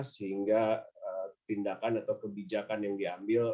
sehingga tindakan atau kebijakan yang diambil